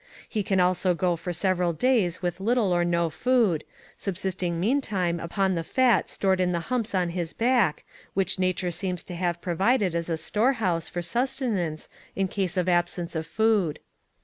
He can also go for several days with little or no food, subsisting meantime upon the fat stored in the humps on his back, which nature seems to have provided as a storehouse for sustenance in case of absence of food.